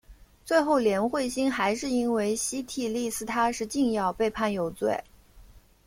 最后连惠心还是因为西替利司他是禁药被判有罪。